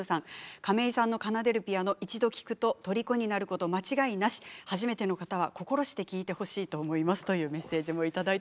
亀井さんの奏でるピアノ一度聴くととりこになること間違いなし初めての方、心して聴いてほしいと思いますというメッセージです。